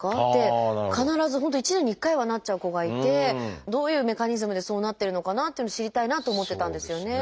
必ず本当一年に一回はなっちゃう子がいてどういうメカニズムでそうなってるのかなっていうのを知りたいなと思ってたんですよね。